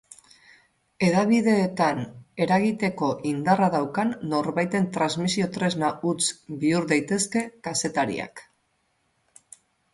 Hedabideetan eragiteko indarra daukan norbaiten transmisio-tresna huts bihur daitezke kazetariak.